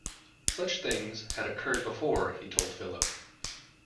Such things had occurred before, he told Philip.